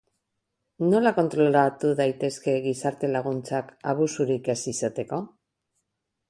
Nola kontrolatu daitezke gizarte-laguntzak, abusurik ez izateko?